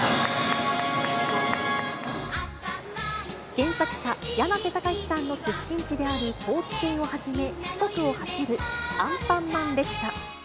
原作者、やなせたかしさんの出身地である高知県をはじめ、四国を走るアンパンマン列車。